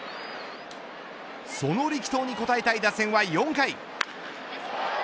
その力投に応えたい打線は４回。